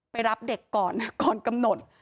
รับเด็กก่อนก่อนกำหนด